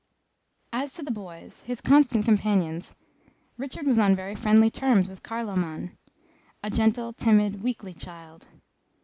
As to the boys, his constant companions, Richard was on very friendly terms with Carlo man, a gentle, timid, weakly child.